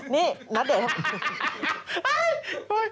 นี่นัดเหอะ